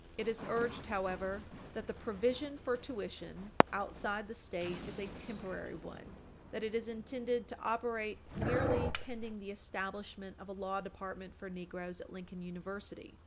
It is urged, however, that the provision for tuition outside the State is a temporary one that it is intended to operate merely pending the establishment of a law department for negroes at Lincoln University.